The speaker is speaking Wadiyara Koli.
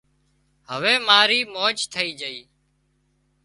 هوي مارِي موج ٿئي جھئي